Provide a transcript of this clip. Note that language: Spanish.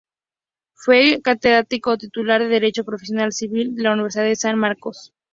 Fue catedrático titular de Derecho Procesal Civil de la Universidad de San Marcos.